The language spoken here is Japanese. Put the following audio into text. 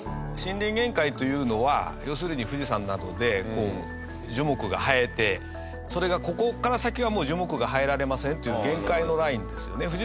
森林限界というのは要するに富士山などで樹木が生えてそれがここから先は樹木が生えられませんという限界のラインですよね。